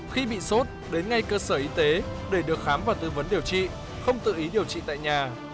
khi bị sốt đến ngay cơ sở y tế để được khám và tư vấn điều trị không tự ý điều trị tại nhà